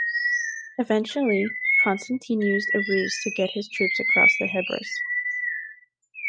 Eventually, Constantine used a ruse to get his troops across the Hebrus.